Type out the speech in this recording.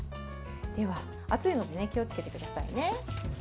では熱いので気をつけてくださいね。